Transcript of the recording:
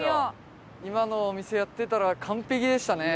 今のお店やってたら完璧でしたね。